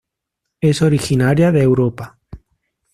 Es originaria de Europa.